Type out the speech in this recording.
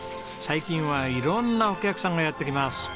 最近は色んなお客さんがやって来ます。